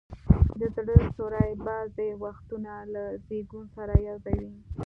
د زړه سوري بعضي وختونه له زیږون سره یو ځای وي.